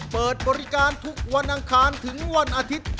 เปิดบริการทุกวันอังคารถึงวันอาทิตย์